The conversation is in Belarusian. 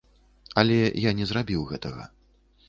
Але я не зрабіў гэтага.